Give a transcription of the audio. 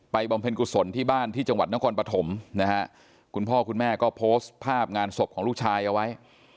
บำเพ็ญกุศลที่บ้านที่จังหวัดนครปฐมนะฮะคุณพ่อคุณแม่ก็โพสต์ภาพงานศพของลูกชายเอาไว้